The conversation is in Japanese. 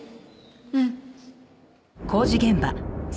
うん。